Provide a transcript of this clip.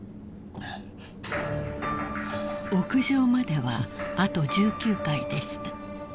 ［屋上まではあと１９階でした］